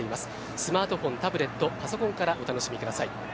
スマートフォン、タブレットパソコンからお楽しみください。